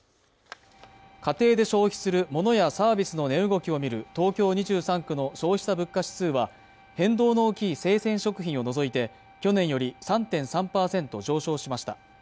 家庭で消費する物やサービスの値動きを見る東京２３区の消費者物価指数は、変動の大きい生鮮食品を除いて、去年より３．３％上昇しました。